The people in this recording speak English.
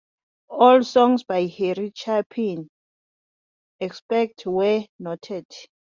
All songs by Harry Chapin except where noted.